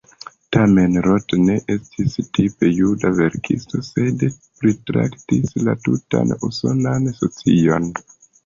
Tamen Roth ne estis tipe juda verkisto, sed pritraktis la tutan usonan socion.